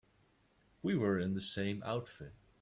We were in the same outfit.